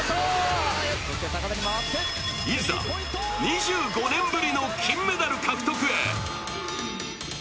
いざ２５年ぶりの金メダル獲得へ。